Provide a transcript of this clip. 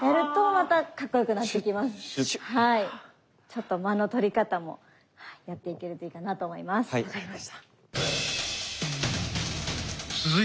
ちょっと間の取り方もやっていけるといいかなと思います。